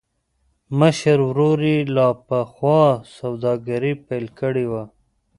مشر ورور يې لا پخوا سوداګري پيل کړې وه.